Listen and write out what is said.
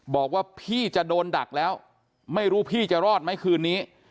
บอกว่าพี่จะโดนดักแล้วไม่รู้พี่จะรอดไหมคืนนี้